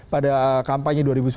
pada kampanye dua ribu sembilan belas